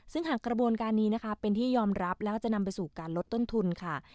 ซึ่งหากกระบวนการนี้นะคะเป็นที่ยอมรับแล้วจะนำไปสู่การลดต้นทุนค่ะ